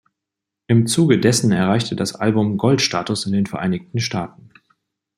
Im Zuge dessen erreichte das Album Gold-Status in den Vereinigten Staaten.